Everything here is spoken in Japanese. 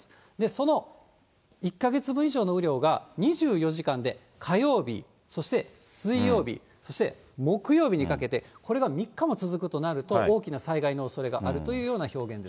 その１か月分以上の雨量が２４時間で火曜日、そして水曜日、そして木曜日にかけて、これが３日も続くとなると、大きな災害のおそれがあるというような表現です。